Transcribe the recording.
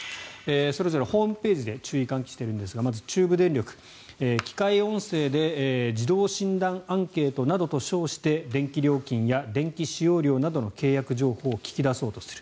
それぞれホームページで注意喚起しているんですがまず中部電力、機械音声で自動診断アンケートなどと称して電気料金や電気使用量などの契約情報を聞き出そうとする。